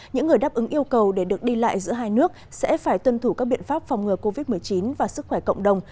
những người đáp ứng yêu cầu để được đi lại giữa hai nước sẽ phải tuân thủ các biện pháp phòng ngừa covid một mươi chín và sức khỏe cộng đồng